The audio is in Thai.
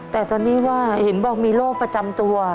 แต่ตอนนี้ว่าเห็นบอกมีโรคประจำตัว